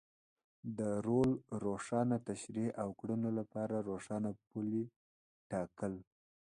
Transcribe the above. د رول روښانه تشرېح او کړنو لپاره روښانه پولې ټاکل.